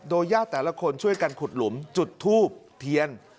โดยย่าแต่ละคนช่วยกันขุดหลุมจุดธูปเทียน